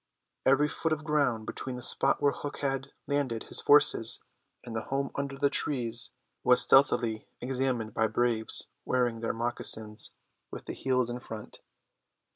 Every foot of ground between the spot where Hook had landed his forces and the home under the trees was stealthily examined by braves wearing their mocassins with the heels in front.